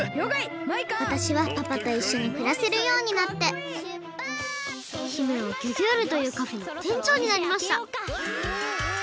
わたしはパパといっしょにくらせるようになって姫はギョギョールというカフェのてんちょうになりましたわ！